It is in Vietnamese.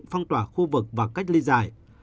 phong tỏa khu vực và cách ly dài